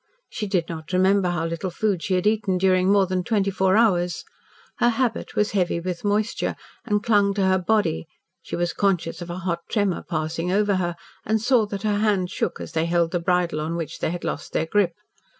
She did not remember how little food she had eaten during more than twenty four hours. Her habit was heavy with moisture, and clung to her body; she was conscious of a hot tremor passing over her, and saw that her hands shook as they held the bridle on which they had lost their grip.